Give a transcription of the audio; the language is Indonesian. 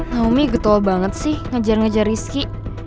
naomi getol banget sih ngejar ngejar rizky